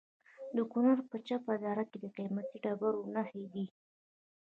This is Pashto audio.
د کونړ په چپه دره کې د قیمتي ډبرو نښې دي.